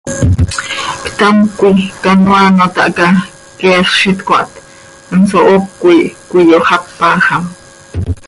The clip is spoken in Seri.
Ctamcö coi canoaa ano tahca, queelx z itcmaht, hanso hocö ih cöiyoxápajam.